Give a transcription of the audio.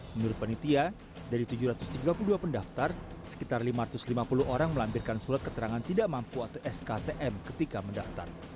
menurut panitia dari tujuh ratus tiga puluh dua pendaftar sekitar lima ratus lima puluh orang melampirkan surat keterangan tidak mampu atau sktm ketika mendaftar